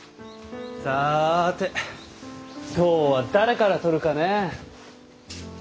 さて痘は誰からとるかね。